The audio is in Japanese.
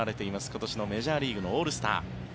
今年のメジャーリーグのオールスター。